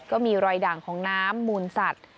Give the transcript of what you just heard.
ก็มีรอยด่างของน้ำมูลสัตว์